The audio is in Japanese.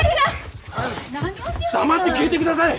黙って消えてください！